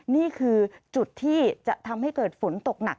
นี่คือจุดที่จะทำให้เกิดฝนตกหนัก